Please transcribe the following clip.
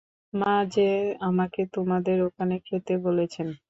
মা যে আমাকে তোমাদের ওখানে খেতে বলেছেন।